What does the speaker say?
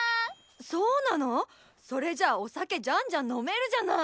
そうなの⁉それじゃあお酒じゃんじゃん飲めるじゃない！